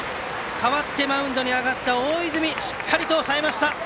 代わってマウンドに上がった大泉しっかりと抑えました。